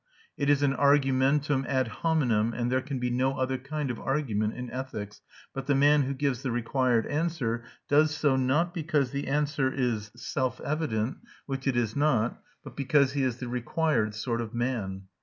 It is an argumentum ad hominem (and there can be no other kind of argument in ethics); but the man who gives the required answer does so not because the answer is self evident, which it is not, but because he is the required sort of man.